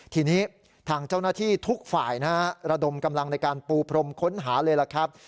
ทีนี้ทางเจ้าหน้าที่ทุกฝ่ายนะฮะระดมกำลังในการปูพรมค้นหาเลยล่ะครับ